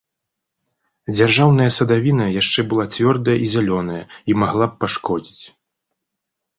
Дзяржаўная садавіна яшчэ была цвёрдая і зялёная і магла б пашкодзіць.